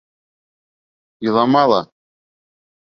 Илама ла.